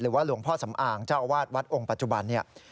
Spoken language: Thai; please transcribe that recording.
หรือว่าหลวงพ่อสำอางเจ้าอาวาสวัดองค์ปัจจุบันเนี่ย